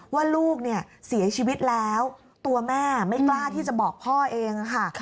ว่าลูกเนี่ยเสียชีวิตแล้วตัวแม่ไม่กล้าที่จะบอกพ่อเองค่ะ